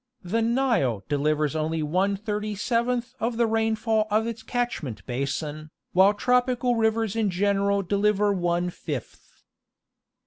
The Nile delivers only one thirty seventh of the rainfall of its catch ment basin, while tropical rivers in general deliver one fifth.